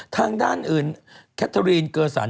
ทางด้านอื่นแคทารีนเกอร์สัน